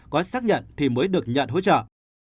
có xác nhận thì mới được nhận hỗ trợ